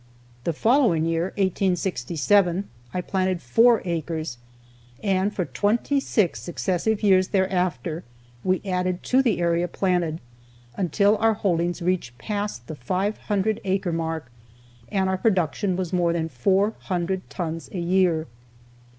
The following year (1867) I planted four acres, and for twenty six successive years thereafter we added to the area planted, until our holdings reached past the five hundred acre mark and our production was more than four hundred tons a year.